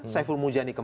saiful mujani kemarin